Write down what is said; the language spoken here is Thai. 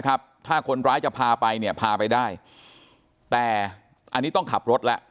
ถ้าคนร้ายจะพาไปเนี่ยพาไปได้แต่อันนี้ต้องขับรถแล้ว